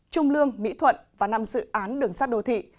trung lương mỹ thuận và năm dự án đường sát đô thị